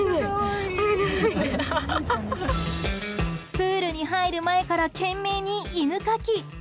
プールに入る前から懸命に犬かき。